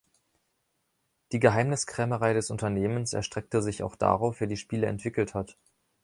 Die Geheimniskrämerei des Unternehmens erstreckte sich auch darauf, wer die Spiele entwickelt hat.